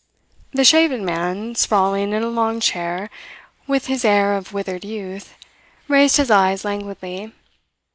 The shaven man, sprawling in a long chair, with his air of withered youth, raised his eyes languidly.